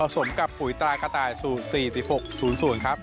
สมกับปุ๋ยตายกระต่ายสูตร๔๖๐๐ครับ